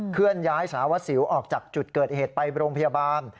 เคลื่อนย้ายสารวัสสิวออกจากจุดเกิดเหตุไปโรงพยาบาล